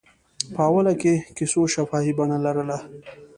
په اوله کې کیسو شفاهي بڼه لرله.